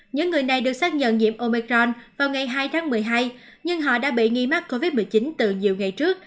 những người này được xác nhận nhiễm omecron vào ngày hai tháng một mươi hai nhưng họ đã bị nghi mắc covid một mươi chín từ nhiều ngày trước